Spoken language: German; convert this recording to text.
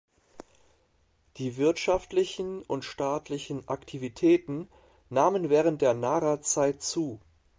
Die wirtschaftlichen und staatlichen Aktivitäten nahmen während der Nara-Zeit zu.